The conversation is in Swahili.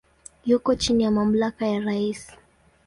Yuko chini ya mamlaka ya rais.